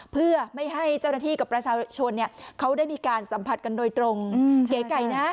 เพื่อไม่ให้เจ้าหน้าที่กับประชาชนเขาได้มีการสัมผัสกันโดยตรงเก๋ไก่นะ